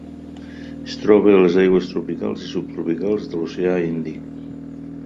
Es troba a les aigües tropicals i subtropicals de l'oceà Índic.